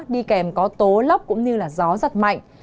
đi kèm có tố lốc cũng như gió giật mạnh